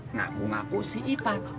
ngaku ngaku si ipan